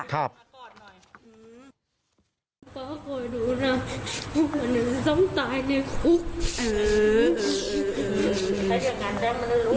ถ้าเดินกันแป๊บมันจะลุก